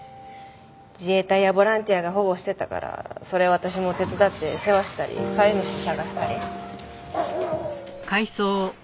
自衛隊やボランティアが保護してたからそれ私も手伝って世話したり飼い主探したり。